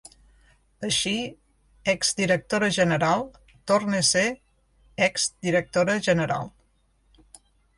Així, exdirectora general torna a ser ex-directora general.